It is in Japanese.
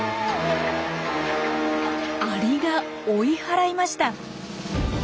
アリが追い払いました！